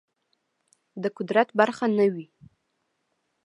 د قدرت برخه نه وي